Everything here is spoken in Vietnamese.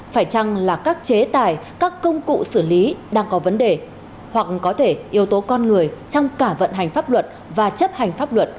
phải chăng là các chế tài các công cụ xử lý đang có vấn đề hoặc có thể yếu tố con người trong cả vận hành pháp luật và chấp hành pháp luật